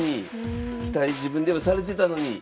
自分ではされてたのに。